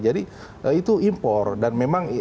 jadi itu impor dan memang